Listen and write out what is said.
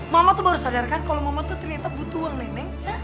mama tuh baru sadar kan kalau mama tuh ternyata butuh uang nenek